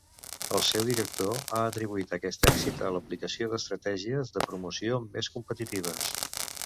El seu director ha atribuït aquest èxit a l'aplicació d'estratègies de promoció més competitives.